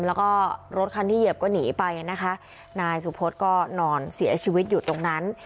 แล้วก็รถคันที่เหยียบก็หนีไปนะคะนายสุพธก็นอนเสียชีวิตอยู่ตรงนั้น